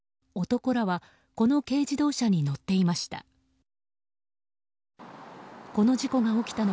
男らはこの軽自動車に乗っていました。